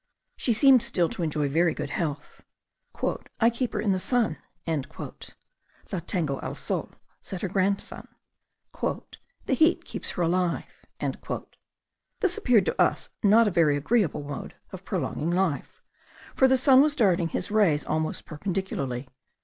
She seemed still to enjoy very good health. "I keep her in the sun" (la tengo al sol), said her grandson; "the heat keeps her alive." This appeared to us not a very agreeable mode of prolonging life, for the sun was darting his rays almost perpendicularly.